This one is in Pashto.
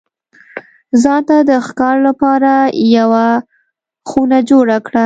ځان ته د ښکار لپاره یوه خونه جوړه کړه.